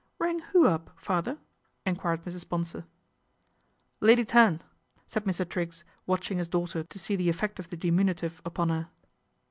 " Rang who up, father ?" enquired Mrs. Bonsor. " Lady Tan," said Mr. Triggs, watching his daughter to see the effect of the diminutive upon her.